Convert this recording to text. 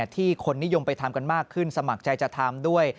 ที่คนนิยมไปทำกันมากขึ้นสมัครใจจะทำด้วย